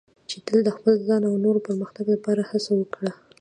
چې تل د خپل ځان او نورو پرمختګ لپاره هڅه وکړه.